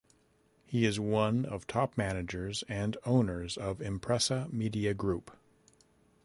He is one of top managers and owners of Impresa media group.